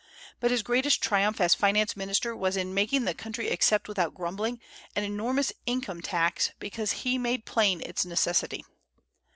But his greatest triumph as finance minister was in making the country accept without grumbling an enormous income tax because he made plain its necessity.